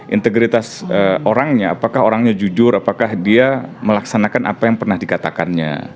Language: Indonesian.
integritas orangnya apakah orangnya jujur apakah dia melaksanakan apa yang pernah dikatakannya